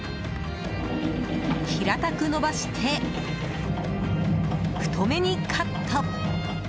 平たく伸ばして、太めにカット。